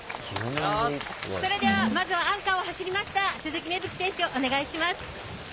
それではまずアンカーを走りました鈴木芽吹選手、お願いします。